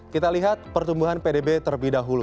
kita lihat pertumbuhan pdb terlebih dahulu